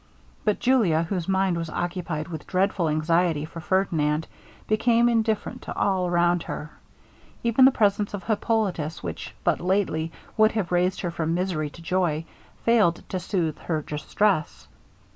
But Julia, whose mind was occupied with dreadful anxiety for Ferdinand, became indifferent to all around her. Even the presence of Hippolitus, which but lately would have raised her from misery to joy, failed to soothe her distress.